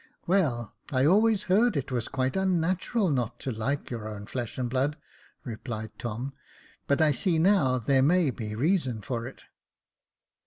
" Well, I always heard it was quite unnatural not to like your own flesh and blood," replied Tom :but I see now that there may be reasons for it."